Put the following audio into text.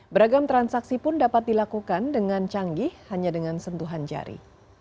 beragam transaksi pun dapat dilakukan dengan canggih hanya dengan sentuhan jari